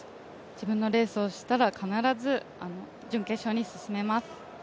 自分のレースをしたら必ず準決勝に進めます。